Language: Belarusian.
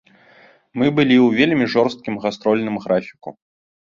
Мы былі ў вельмі жорсткім гастрольным графіку.